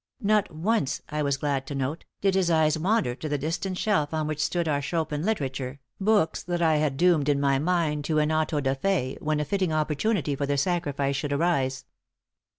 Not once, I was glad to note, did his eyes wander to the distant shelf on which stood our Chopin literature, books that I had doomed in my mind to an auto da fé when a fitting opportunity for the sacrifice should arise.